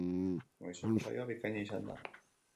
Goizeko saioa bikaina izan da.